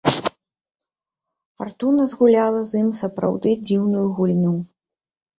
Фартуна згуляла з ім сапраўды дзіўную гульню.